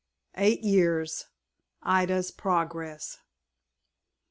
EIGHT YEARS. IDA'S PROGRESS.